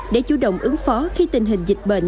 để chủ động ứng phó khi tình hình dịch bệnh